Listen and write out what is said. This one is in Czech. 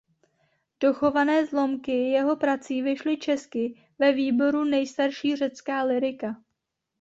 Dochované zlomky jeho prací vyšly česky ve výboru "Nejstarší řecká lyrika".